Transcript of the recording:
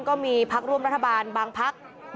ก็มีภักดิ์ร่วมรัฐบาลบางภักดิ์